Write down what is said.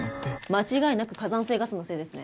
間違いなく火山性ガスのせいですね。